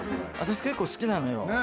私結構好きなのよ。